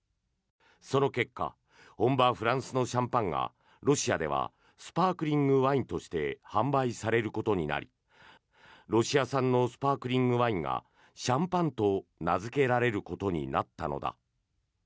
その結果本場フランスのシャンパンがロシアではスパークリングワインとして販売されることになりロシア産のスパークリングワインがシャンパンと名付けられることになったのだ。